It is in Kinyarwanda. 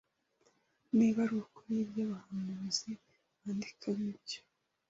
Niba arukuri Ibyo Abahanuzi bandika nibyo